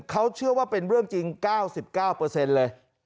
เขาเชื่อว่าเป็นเรื่องจริง๙๙เปอร์เซ็นต์เลย